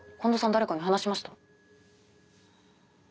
誰かに話しました？